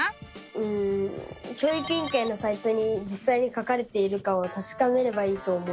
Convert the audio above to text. うん教育委員会のサイトにじっさいに書かれているかをたしかめればいいと思う！